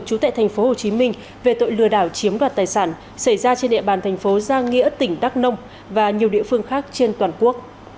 chú tệ thành phố hồ chí minh về tội lừa đảo chiếm đoạt tài sản xảy ra trên địa bàn thành phố giang nghĩa tỉnh đắk nông và nhiều địa phương khác trên toàn quốc